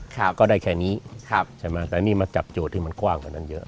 ก็ได้แค่นี้ครับใช่ไหมแต่นี่มาจับโจทย์ที่มันกว้างกว่านั้นเยอะ